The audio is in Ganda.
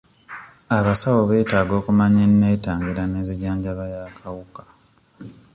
Abasawo beetaaga okumanya eneetangira n'enzijanjaba y'akawuka.